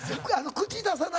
口出さない